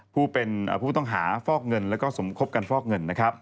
ผู้เป็นผู้ต้องหาฟอกเงินและสมคบการฟอกเงิน